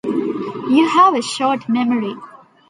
You have a short memory.